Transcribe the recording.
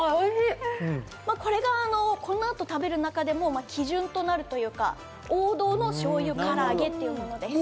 これがこの後食べる中でも基準となるというか、王道のしょうゆ唐揚げというものです。